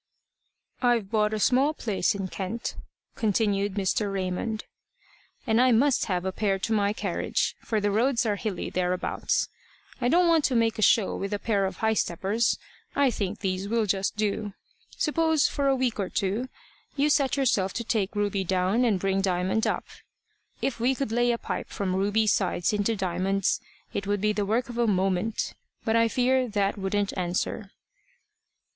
"I've bought a small place in Kent," continued Mr. Raymond, "and I must have a pair to my carriage, for the roads are hilly thereabouts. I don't want to make a show with a pair of high steppers. I think these will just do. Suppose, for a week or two, you set yourself to take Ruby down and bring Diamond up. If we could only lay a pipe from Ruby's sides into Diamond's, it would be the work of a moment. But I fear that wouldn't answer."